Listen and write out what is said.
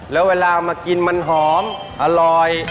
แล้วเวลามากินมันหอมอร่อย